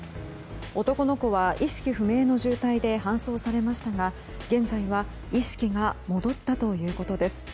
男の子は意識不明の重体で搬送されましたが現在は意識が戻ったということです。